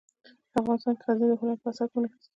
افغانستان کې غزني د هنر په اثار کې منعکس کېږي.